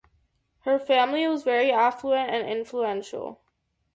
Her family was very affluent and influential.